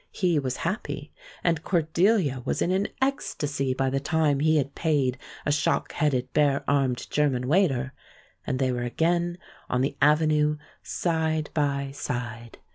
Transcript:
He was happy, and Cordelia was in an ecstasy by the time he had paid a shock headed, bare armed German waiter, and they were again on the avenue side by side.